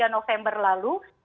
tiga november lalu